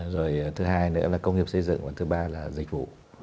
rồi thứ hai nữa là công nghiệp xây dựng và thứ ba là dịch vụ